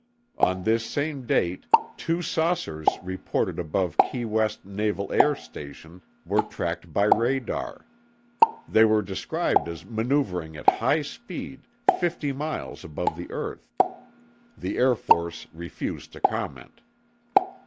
On this same date, two saucers reported above Key West Naval Air Station were tracked by radar; they were described as maneuvering at high speed fifty miles above the earth. The Air Force refused to comment.